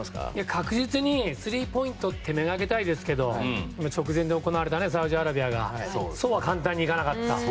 確実に３ポイントを目掛けたいですけど直前で行われたサウジアラビアがそう簡単にいかなかった。